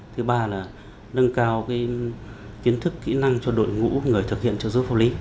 thứ ba là nâng cao kiến thức kỹ năng cho đội ngũ người thực hiện trợ giúp pháp lý